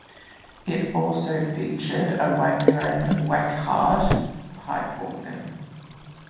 It also featured a Wangerin-Weickhardt pipe organ.